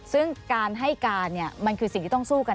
ซึ่งการให้การมันคือสิ่งที่ต้องสู้กัน